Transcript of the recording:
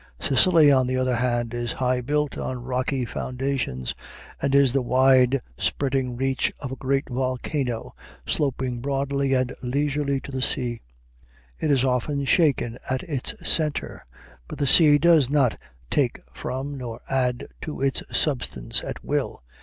Sicily, on the other hand, is high built on rocky foundations, and is the wide spreading reach of a great volcano sloping broadly and leisurely to the sea. It is often shaken at its center, but the sea does not take from nor add to its substance at will.